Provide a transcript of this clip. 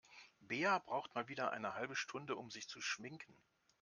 Bea braucht mal wieder eine halbe Stunde, um sich zu schminken.